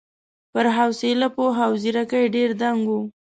پر حوصله، پوهه او ځېرکۍ ډېر دنګ و.